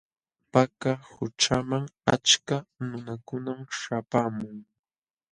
Paka qućhaman achka nunakunam śhapaamun.